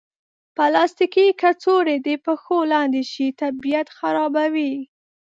پلاستيکي کڅوړې د پښو لاندې شي، طبیعت خرابوي.